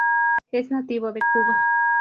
Es nativo de Cuba.